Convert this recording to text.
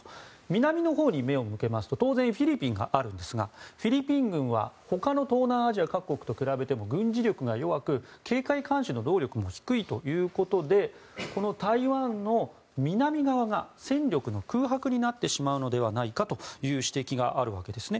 南のほうに目を向けますと当然、フィリピンがあるんですがフィリピン軍はほかの東南アジア各国と比べても軍事力が弱く警戒監視の能力も低いということでこの台湾の南側が戦力の空白になってしまうのではないかという指摘があるわけですね。